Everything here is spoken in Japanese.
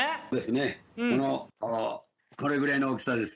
任垢これぐらいの大きさです。